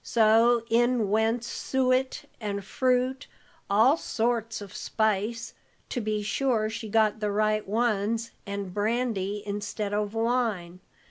So in went suet and fruit; all sorts of spice, to be sure she got the right ones, and brandy instead of wine.